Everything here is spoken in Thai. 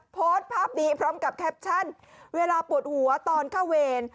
โพสต์ภาพนี้พร้อมกับแคปชั่นเวลาปวดหัวตอนเข้าเวร